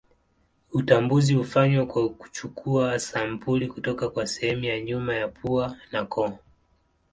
Utambuzi hufanywa kwa kuchukua sampuli kutoka kwa sehemu ya nyuma ya pua na koo.